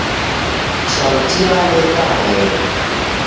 Çewtiya lêdanê!